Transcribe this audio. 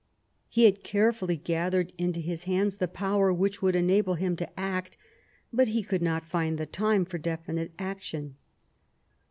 He had carefully gathered into his hands the power which would enable him to act, but he could not find the time for definite action.